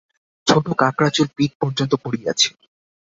ছোটো কোঁকড়া চুল পিঠ পর্যন্ত পড়িয়াছে।